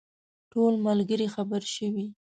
ټول ملګري خبر شوي.